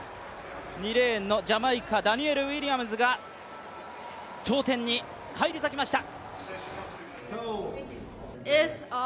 ２レーンのジャマイカ、ダニエル・ウィリアムズが頂点に返り咲きました。